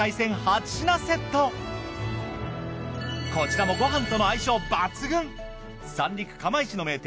こちらもご飯との相性抜群。